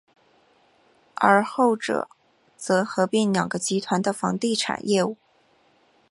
而后者则合并两个集团的房地产业务。